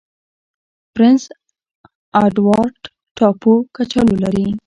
پرنس اډوارډ ټاپو کچالو لري.